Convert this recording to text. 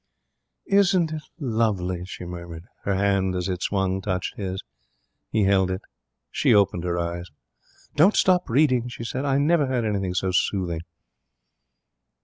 "' 'Isn't it lovely?' she murmured. Her hand, as it swung, touched his. He held it. She opened her eyes. 'Don't stop reading,' she said. 'I never heard anything so soothing.'